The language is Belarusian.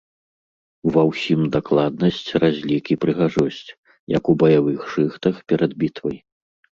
Ва ўсім дакладнасць, разлік і прыгажосць - як у баявых шыхтах перад бітвай.